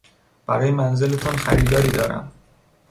برای منزلتان خریداری دارم.